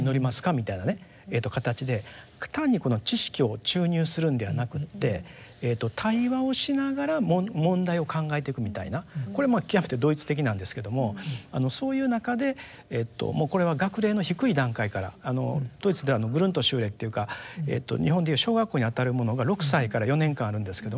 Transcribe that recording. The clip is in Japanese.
みたいな形で単に知識を注入するんではなくって対話をしながら問題を考えていくみたいなこれまあ極めてドイツ的なんですけどもそういう中でもうこれは学齢の低い段階からドイツではグルントシューレっていうか日本でいう小学校にあたるものが６歳から４年間あるんですけども